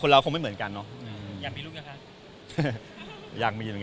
คนเราคงไม่เหมือนกันเนอะ